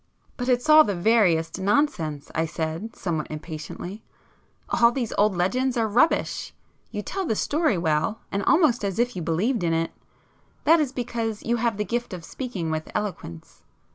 "But it's all the veriest nonsense,"—I said somewhat impatiently—"All these old legends are rubbish. You tell the story well, and almost as if you believed in it,—that is because you have the gift of speaking with eloquence.